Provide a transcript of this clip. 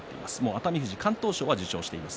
熱海富士が敢闘賞を受賞しています。